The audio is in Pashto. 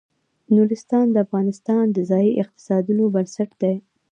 نورستان د افغانستان د ځایي اقتصادونو بنسټ دی.